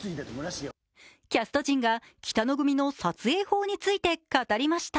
キャスト陣が北野組の撮影法について語りました。